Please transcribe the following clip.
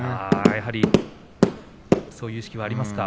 やはりそういう意識はありますか。